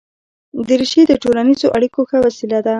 دریشي د ټولنیزو اړیکو ښه وسیله ده.